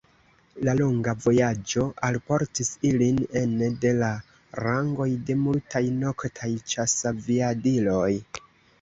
La longa vojaĝo alportis ilin ene de la rangoj de multaj noktaj ĉasaviadiloj.